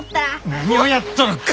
何をやっとるか！